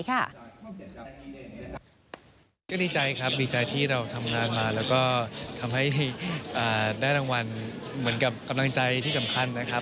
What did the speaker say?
ก็ดีใจครับดีใจที่เราทำงานมาแล้วก็ทำให้ได้รางวัลเหมือนกับกำลังใจที่สำคัญนะครับ